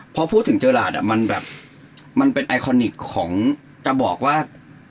พอพูดถึงเจอหลาดมันเป็นไอคอนิกของจะบอกว่า